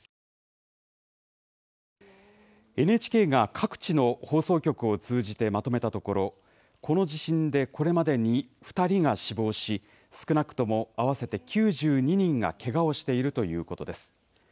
ＮＨＫが各地の放送局を通じてまとめたところこの地震でこれまでに２人が死亡し、少なくとも合わせて９２人がけがをしているということです。